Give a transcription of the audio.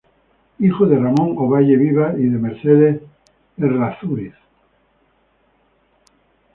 Hijo de Ramón Ovalle Vivar y de Mercedes Errázuriz.